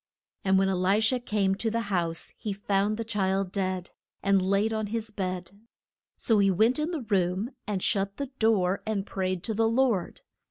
And when E li sha came to the house he found the child dead, and laid on his bed. So he went in the room and shut the door, and prayed to the Lord.